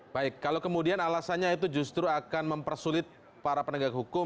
baik kalau kemudian alasannya itu justru akan mempersulit para penegak hukum